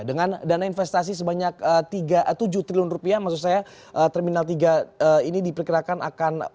dengan dana investasi sebanyak tujuh triliun rupiah maksud saya terminal tiga ini diperkirakan akan